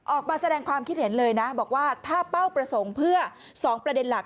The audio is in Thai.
ออกมาแสดงความคิดเห็นเลยนะบอกว่าถ้าเป้าประสงค์เพื่อ๒ประเด็นหลัก